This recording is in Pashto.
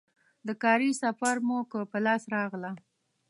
د کاري سفر موکه په لاس راغله.